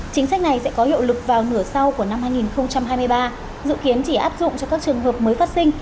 chính sách này sẽ có hiệu lực vào nửa sau của năm hai nghìn hai mươi ba dự kiến chỉ áp dụng cho các trường hợp mới phát sinh